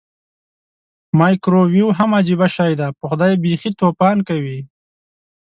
مایکرو ویو هم عجبه شی دی پخدای بیخې توپان کوي.